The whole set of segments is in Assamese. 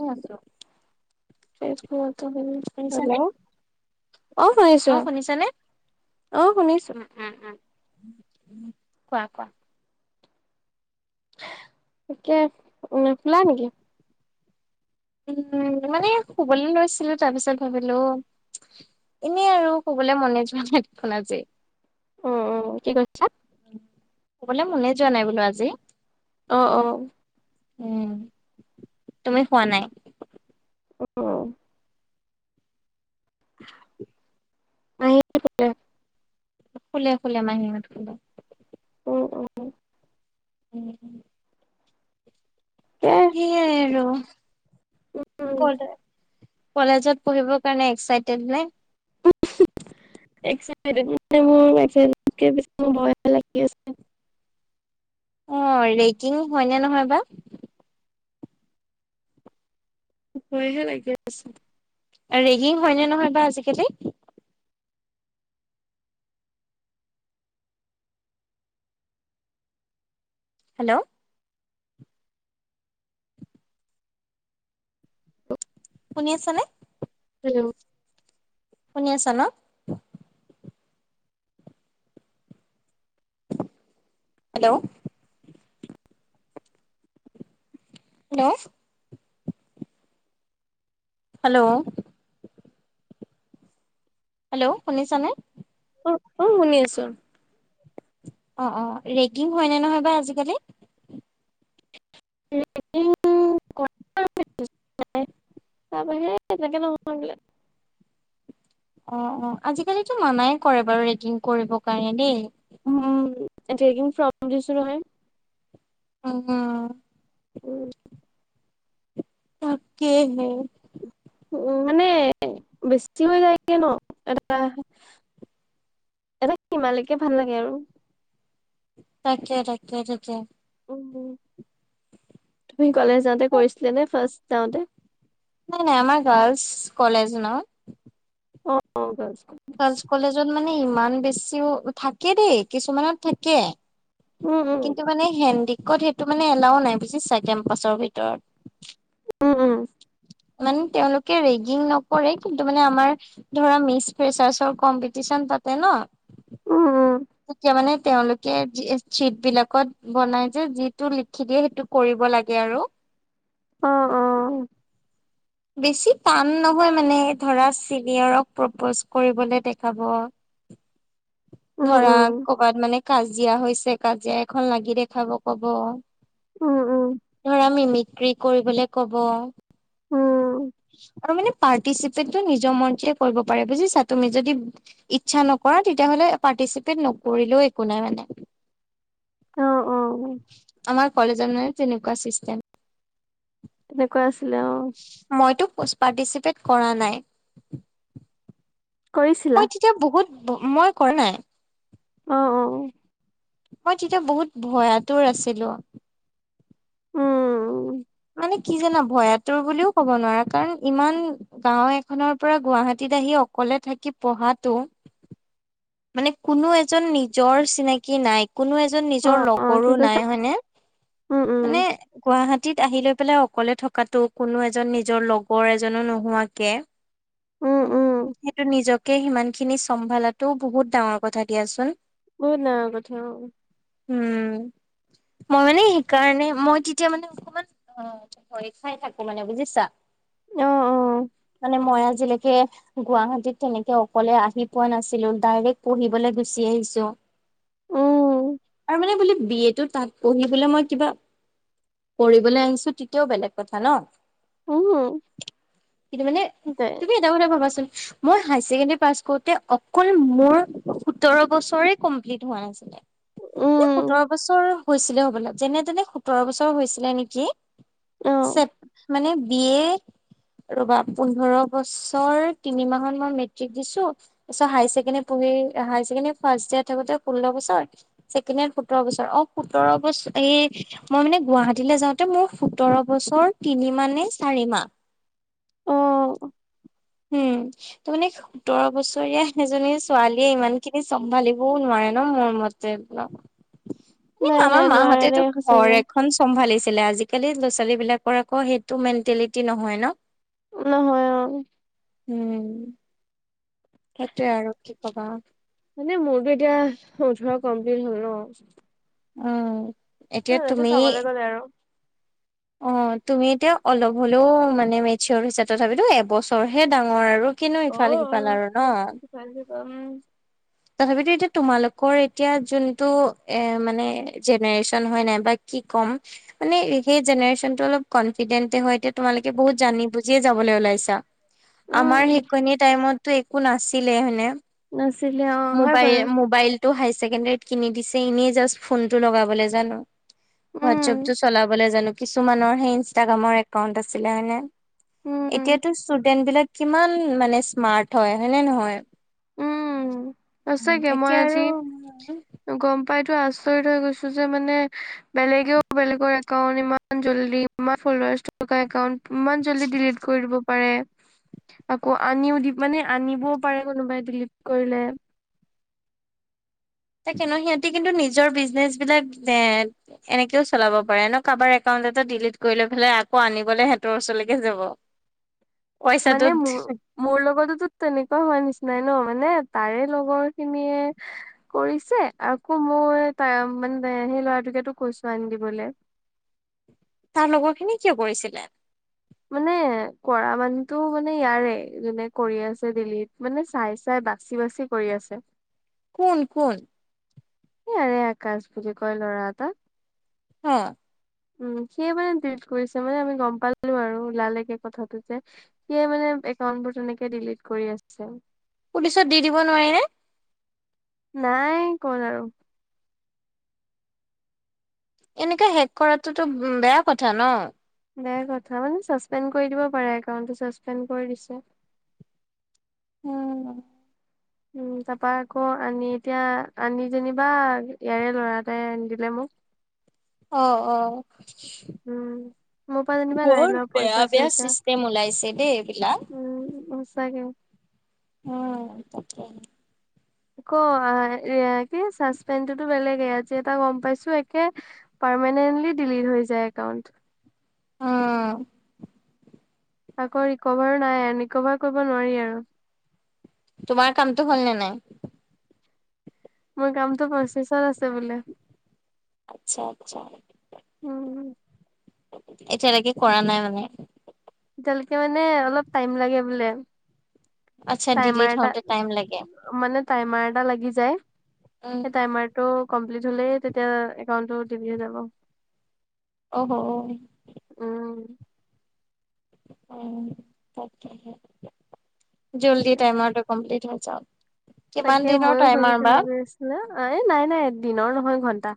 এ আছোঁ সেইটোৱে টো মেইন শুনিছা নে অহ শুনিছো অহ শুনিছো উম উম কোৱা কোৱা তাকে নুফুলা নেকি উম মানে শুবলে লৈছিলো তাৰ পিছত ভাবিলো এনেই আৰু শুবলে মনে যোৱা নাই দেখোন আজি উম উম কি কৈছা শুবলে মনে যোৱা নাই বোলো আজি অ অ উম তুমি শুৱা নাই উম মাহিয়ে শুলে শুলে শুলে মাহীহত শুলে উম উম উম এ সেয়াই আৰু উম ক তই কলেজত পঢ়িবৰ কাৰণে এক্সাইটেড নে এক্সাইদেত মোৰ এক্সাইদেতকে বেছি মোৰ ভয় লাগি আছে অ ৰেকিং হয়নে নহয় বা ভয়হে লাগি আছে ৰেগিং হয়নে নহয় বা আজিকালি হেল্ল' শুনি আছা নে হেল্ল' শুনি আছা ন হেল্ল' হেল্ল' হেল্ল' হেল্ল' শুনিছা নে অহ অহ শুনি আছো অহ অহ ৰেগিং হয় নে নহয় বা আজিকালি ৰেগিং কৰে তাৰ বাহিৰে‌ তেনেকে নহয় এইফালে অহ অহ আজিকালিতো মানাই কৰে বাৰু ৰেগিং কৰিবৰ কাৰণে দেই উম ৰেগিং ফ্ৰম শুনিছ নহয় উম কে উম তাকে হে উম মানে বেছিকে হৈ যায় গে ন এটা এটা সিমালেকে ভাল লাগে আৰু তাকে তাকে তাকে উম তুমি কলেজলে যাওঁতে কৰিছিলে নে ফাৰ্ষ্ট যাওঁতে নাই নাই আমাৰ গাৰ্লচ কলেজ ন অহ ভাল‌ আছো গাৰ্লচ কলেজত মানে ইমান বেছিও থাকে দেই কিছুমানত থাকে উম কিন্তু মানে হেণ্ডিকত সেইটো মানে এলাও নাই বুজিছা কেম্পাছৰ ভিতৰত উম উম মানে তেওঁলোকে ৰেগিং নকৰে কিন্তু মানে আমাৰ ধৰা মিচ ৰিছাৰ্চৰ কম্পিটিচন তাতে ন উম উম উম তেতিয়া মানে তেওঁলোকে কে যি চিট বিলাকত বনাই যে যিটো লিখি দিয়ে সেইটো কৰিব লাগে আৰু অহ অহ বেছি টান নহয় মানে ধৰা চিনিয়ৰক প্ৰপ'জ কৰিবলৈ দেখাব উম ধৰা উম কবাত মানে কাজিয়া হৈছে কাজিয়া এখন লাগি দেখাব কব উম উম ধৰা মিমিক্ৰি কৰিবলে কব উম আৰু মানে পাৰ্টিচিপেটটো নিজৰ মৰজি কৰিব পাৰে বুজিছা তুমি যদি ইচ্ছা নকৰা তেতিয়াহলে পাৰ্টিচিপেট নকৰিলেও একো নাই মানে অহ অহ আমাৰ কলেজত মানে তেনেকুৱা চিষ্টেম [unintelligible] তেনেকুৱা আছিলে অহ মইতো পাৰটিচিপেট কৰা নাই কৰিছিলা এ তেতিয়া বহুত মই কৰা নাই অহ অহ অহ মই তেতিয়া বহুত ভয়াতুৰ আছিলো উম উম মানে কি জানা ভয়াতুৰ বুলিও ক'ব নোৱাৰা কাৰণ ইমান গাওঁ এখনৰ পৰা, গুৱাহাটীত আহি অকলে থাকি পঢ়াতো! মানে, কোনো এজন নিজৰ চিনাকি নাই। কোনো এজন অ নিজৰ অ কি লগৰো কৈছা নাই, হয়নে? উম উম মানে, গুৱাহটীত আহি লৈ পেলাই অকলে থকাতো, কোনো এজন নিজৰ লগৰ এজনো নোহোৱাকে। উম উম সেইটো, নিজকে সিমান খিনি চম্ভালাটো বহুত ডাঙৰ কথা দিয়াচোন! বহুত ডাঙৰ কথা! অ'! উম! মই মানে সেইকাৰণে, মই তেতিয়া মানে, অকমান ভৰি খাই থাকোঁ মানে, বুজিছা! অ অ অ মানে, মই আজিলৈকে গুৱাহাটীত তেনেকে অকলে, আহি পোৱা নাছিলোঁ। ডাইৰেক্ট পঢ়িবলৈ গুচি আহিছোঁ। আৰু মানে বোলে, বি এ টো তাত পঢ়িবলে মই কিবা, পঢ়িবলৈ আনিছোঁ, তেতিয়াও বেলেগ কথা ন'! উম কিন্তু মানে, উম দে তুমি এটা কথা ভাবাচোন? মই হাইয়াৰ ছেকেণ্ডাৰী পাছ কৰোঁতে, অ মোৰ সোতৰ বছৰে, কমপ্লিট হোৱা নাছিলে। নে, সোতৰ উম বছৰ হৈছিলে হ'বলা, যেনে-তেনে সোতৰ বছৰ হৈছিলে নেকি! অ [unintelligible] মানে, বি এ ৰ'বা, পোন্ধৰ বছৰ তিনি মাহত মই মেট্ৰিক দিছোঁ। তাৰপিছত, হাইয়াৰ পঢ়ি, হাইয়াৰ ছেকেণ্ডাৰী ফাৰ্ষ্ট ইয়েৰৰত থাকোঁতে, ষোল্ল বছৰ। ছেকেণ্ড ইয়েৰত সোতৰ বছৰ। অ'! সোতৰ বছৰ এই মই মানে, গুৱাহাটীলৈ যাওঁতে, মোৰ সোতৰ বছৰ তিনি মাহ, নে চাৰি মাহ! অ'! উম! তাৰমানে, সোতৰ বছৰীয়া এজনী ছোৱালীয়ে, ইমান খিনি চম্ভালি চম্ভালিবও নোৱাৰে ন'! মোৰ মতে। এই, নাই নাই আমাৰ নোৱাৰে মাহঁতেতো দেই সঁচাকে ঘৰ এখন চম্ভালিছিলে। আজিকালি, ল'ৰা-ছোৱালী বিলাকৰ আকৌ, সেইটো মেন্টেলিটি নহয় ন'! নহয়। অ উম! সেইটোয়ে আৰু কি ক'বা! মানে, মোৰতো এতিয়া, ওঠৰ কমপ্লিট হ'ল ন'। উম! এতিয়া সিহঁতে তুমি চাবলৈ গ'লে আৰু অ'! তুমি এতিয়া, অলপ হ'লেও মানে, মেচিয়ৰ হৈছা। তথাপিতো এবছৰহে ডাঙৰ আৰু। কিনো অ অ ইফালে-সিফাল আৰু ন'! [unintelligible] তথাপিতো এতিয়া, তোমালোকৰ এতিয়া, যোনটো এ, মানে, জেনেৰেচন হয় নাই বা কি ক'ম! মানে, সেই জেনেৰেচনটো অলপ কনফিডেন্টে হয়, এতিয়া। তোমালোকে বহুত জানি বুজিয়ে যাবলৈ ওলাইছা! আমাৰ উম সেইখিনি টাইমত [unintelligible] একো নাছিলে, হয়নে! নাছিলে অ হয় মবাইল, বাৰু মোবাইলটো হাইয়াৰ ছেকেণ্ডাৰীত কিনি দিছে, এনেই জাষ্ট ফোনটো লগাবলে জানোঁ। উম হোৱাটছএপটো চলাবলে জানোঁ, কিছুমানৰ সেই, ইনষ্টাগ্ৰামৰ একাউন্ট আছিলে, হয় নে? উম এতিয়াতো, ষ্টুডেন্ট বিলাক কিমান মানে, স্মাৰ্ট হয়। হয়নে নহয়? উম সঁচাকে, মই এতিয়া আৰু আজি গম পাইতো আচৰিত হৈ গৈছোঁ! যে মানে, বেলেগেও, বেলেগৰ একাউণ্ট ইমান ইমান জল্দি, ইমান ফলোৱাৰ্চ থকা একাউণ্ট, ইমান জল্দি ডিলিট কৰি দিব পাৰে। আকৌ, আনিও দি, মানে, আনিবও পাৰে কোনোবাই ডিলিত কৰিলে। তাকে ন'! সিহঁতে কিন্তু, নিজৰ বিজনেচ বিলাক, এ, এনেকেও, চলাব পাৰে ন'! কাৰবাৰ একাউণ্ট এটা ডিলিট কৰি লৈ পেলাই। আকৌ, আনিবলে হেঁতৰ ওচৰলৈকে যাব। [inaudible] মানে পইচাটোত মো মোৰ লগতোতো তেনেকোৱা হোৱা নিচিনাই ন মানে তাৰে লগৰ খিনিয়ে কৰিছে আকৌ মই তাই মানে সেই ল'ৰাটোকেতো কৈছো আনি দিবলে তাৰ লগৰখিনি কিয় কৰিছিলে মানে [unintelligible] কৰা মানুহতো মানে ইয়াৰে যোনে কৰি আছে দিল্লীত মানে চাই চাই বাচি বাচি কৰি আছে কোন কোন ইয়াৰে আকাশ বুলি কয় ল'ৰা এটা হা উম সেয়ে মানে ডিলিট কৰিছে মানে আমি গম পালো আৰু ওলালেগে কথাটো যে সিয়ে মানে একাউণ্ট বোৰ তেনেকে ডিলিট কৰি আছে পুলিচত দি দিব নোৱাৰি নে নাই কৰা আৰু এনেকে হেক কৰাটোতো বেয়া কথা ন বেয়া কথা মানে চাচপেণ্ড কৰি দিব পাৰে একাউণ্টটো চাচপেণ্ড কৰি দিছে। উম উম তাপা আকৌ আনি এতিয়া আনি যেনিবা ইয়াৰে ল'ৰা এটাই আনি দিলে মোক অ অ উম মোৰ পৰা যেনিবা নাই বৰ লোৱা বেয়া পইচা- বেয়া চইচা চিষ্টেম ওলাইছে দেই এইবিলাক উম সঁচাকে উম তাকে ক কি চাচপেণ্ডটোতো বেলেগে আজি এটা গম পাইছো একে পাৰ্মেনেন্টলি ডিলিট হৈ যায় একাউণ্ট উম আকৌ ৰিকভাৰো নাই ৰিকভাৰ কৰিব নোৱাৰি আৰু তোমাৰ কামটো হ'ল নে নাই মোৰ কামটো প্ৰচেচিঙত আছে বোলে আচ্ছা আচ্ছা উম এতিয়ালৈকে কৰা নাই মানে এতিয়ালৈকে মানে অলপ টাইম লাগে বোলে আচ্ছা টাইমাৰ ডিলিট এটা হওঁতে টাইম লাগে মানে টাইমাৰ এটা লাগি যায় উম সেই টাইমাৰ টো কমপ্লিট হলে তেতিয়া একাউন্টটো দিল্লী যাব অহ হ উম উ তাকেহে জল্দি টাইমাৰটো কমপ্লিত হৈ যাওক কিমান দিনৰ টাইমাৰ বা হেল্ল এ নাই নাই দিনৰ নহয় ঘণ্টা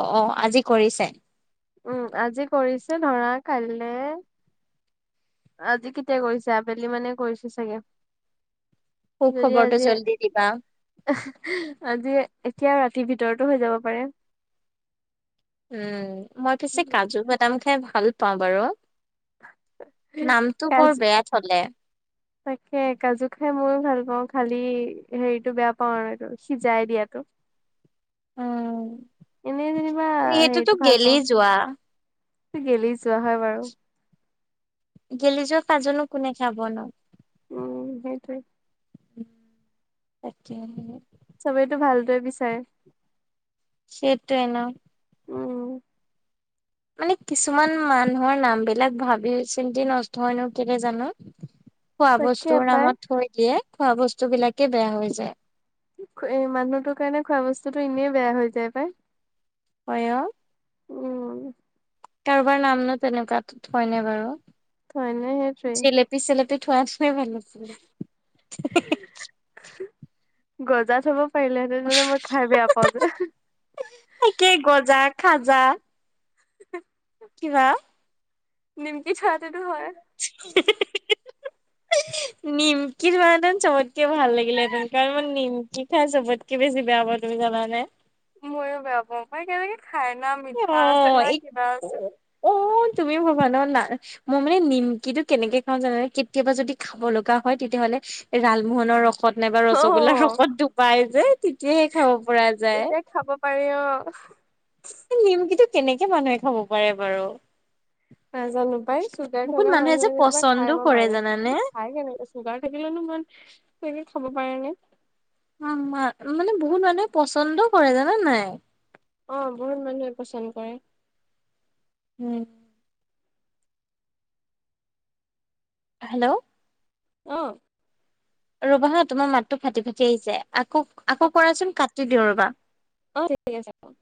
অ আজি কৰিছে উম, আজি কৰিছে ধৰা কাইলে আজি কেতিয়া কৰিছে আবেলি মানে কৰিছে চাগে। সু যদি খবৰটো আজিয়ে জল্দি দিবা এ আজিয়ে এতিয়া ৰাতিৰ ভিতৰতো হৈ যাব পাৰে। উম, মই পিছে কাজু বাদাম খাই ভাল পাও বাৰু। নামটো বৰ কাজু বেয়া থলে। তাকে কাজু খাই ময় ভাল পাওঁ খালি হেৰিতটো বেয়া পাওঁ আৰু এইটো সিজাই দিয়াতো। উম, এনেই যেনিবা সেইটোতো হেৰিটো ভাল গেলি পাওঁ যোৱা। গেলি যোৱা হয় বাৰু। গেলি যোৱা পাজনো কোনে খাব ন'। উম, সেইটোৱেই। তাকে। চবেইতো ভালটোৱে বিচাৰে। সেতাই ন'। উম মানে কিছুমান মানুহৰ নামবিলাক ভাবি চিন্তি নষ্ট হয়নো কেনে জানো। খোৱা তাকে বস্তুৰ পাই নামত থৈ দিয়ে খোৱা বস্তু বিলাকে বেয়া হৈ যায়। এ মানুহটোৰ কাৰণে খোৱা বস্তুতটো এনেই বেয়া হৈ যায় পায়। হয়য়স। উম কাৰোবাৰ নাম নো তেনেকুৱাত হয়নে বাৰু। হয় নে সেইটোৱেই। পিচলপি থোৱা নোৱে ভাল নছিলে। গজাত থব পাৰিলেহেঁতে তে মই খাই বেয়া পাও যে। তাকেই গজা খাজা [unintelligible] কিবা নিমকি চোৱাটোতো হয়। [unintelligible] উ [unintelligible] নিমকি মানেঁতেন চবতকে ভাল লাগিলেঁতেন কাৰণ মই নিমকি খাই চবতকে কি বেছি বেয়া পাওঁ তুমি জাননে। ময়ো বেয়া পাওঁ মই কেনেকে খাই না মিঠা আছে অ' না এই কিবা আছে। অ' তুমি ভবানৰ না মই মানে নিমকিটো কেনেকে খাও জানো কেতিয়াবা যদি খাব লগা হয় তেতিয়াহ'লে লালমোহনৰ ৰসত নাইবা অ ৰসগোল্লাৰ ৰসত ধুপাই যে তেতিয়াহে খাব পৰা যায়। তেতিয়া খাব পাৰি অ',। নিমকিতো কেনেকে মানুহে খাব পাৰে বাৰু। নাজানো পাই চুগাৰ বহুত থকা মানুহে যে মানুহ এজনিবা পচন্দো খাই মই কৰে মানিছো জানানে কিন্তু খাই কেনেকুৱৈ চুগাৰ থাকিলেনো ইমান তেনে খাব পাৰে নে। মানে বহুত মানুহে পচন্দ কৰে জানা নাই। অ' বহুত মানুহে পচন্দ কৰে। উম',। হেল্ল'? আহ! ৰবা হা তোমাৰ মাতটো ফাটি ফাটি আহিছে আকৌ আকৌ অ' কৰাচোন কাটি দিওঁ ৰবা। অ' যাব।